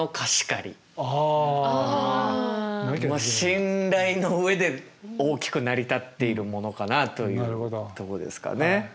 信頼の上で大きく成り立っているものかなというとこですかね。